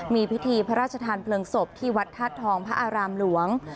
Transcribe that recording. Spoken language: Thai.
มีพิธีพระราชทานเพลิงศพที่วัดธาตุทองพระอารามหลวง